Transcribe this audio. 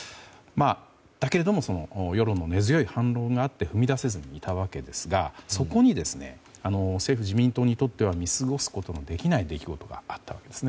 だけれども世論の根強い反論があって踏み出せずにいたわけですがそこに政府・自民党にとっては見過ごすことのできない出来事があったんですね。